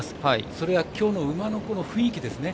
それは、きょうの馬の雰囲気ですね。